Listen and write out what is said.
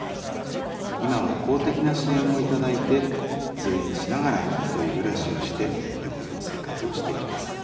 今は公的な支援を頂いて通院しながら１人暮らしをして療養生活をしています。